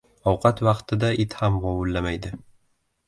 • Ovqat vaqtida it ham vovullamaydi.